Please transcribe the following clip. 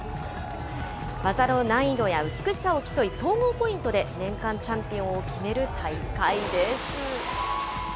技の難易度や美しさを競い、総合ポイントで年間チャンピオンを決める大会です。